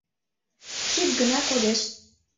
Шӱк гына кодеш.